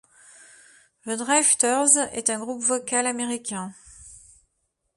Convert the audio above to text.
The Drifters est un groupe vocal américain.